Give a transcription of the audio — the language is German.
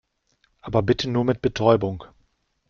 Aber bitte nur mit Betäubung.